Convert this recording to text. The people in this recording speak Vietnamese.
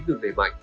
được đẩy mạnh